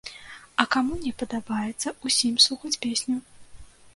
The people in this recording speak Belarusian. А каму не падабаецца, усім слухаць песню.